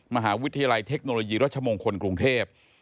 มหาวิทยาลัยเทคโนโลยีรัชมงคลกรุงเทพ